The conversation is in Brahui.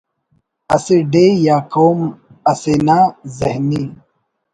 اسہ ڈیہہ یا قوم اسے نا ذہنی